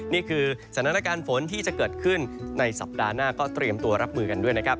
นี่คือสถานการณ์ฝนที่จะเกิดขึ้นในสัปดาห์หน้าก็เตรียมตัวรับมือกันด้วยนะครับ